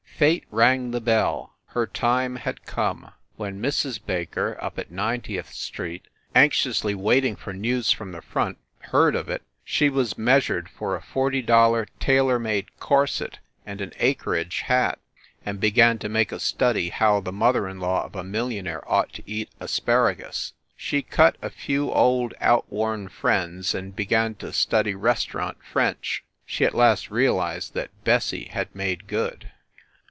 Fate rang the bell her time had come! When Mrs. Baker, up at Ninetieth Street, anxiously waiting for news from the front, heard of it she was measured for a new forty dollar tailor THE REPORTER OF "THE ITEM." in made corset and an acreage hat, and .began to make a study how the mother in law of a millionaire ought to eat asparagus. She cut a few old outworn friends and began to study restaurant French. She at last realized that Bessie had made good.